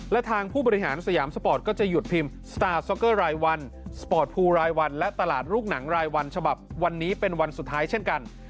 และทางผู้บริหารสยามสปอร์ตก็จะหยุดพิมพ์สตาร์ซ็อกเกอร์รายวันสปอร์ตภูรายวันและตลาดลูกหนังรายวันฉบับวันนี้เป็นวันสุดท้ายเช่นกัน